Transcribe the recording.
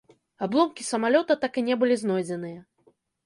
Абломкі самалёта так і не былі знойдзеныя.